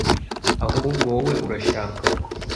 ahubwo wowe urashaka ko